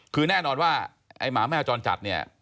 คือแน่นอนว่าไอ้หมาแมวจรจัดเนี่ย